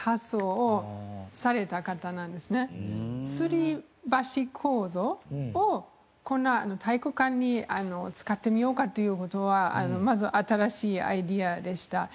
吊り橋構造を体育館に使ってみようかという事はまず新しいアイデアでした。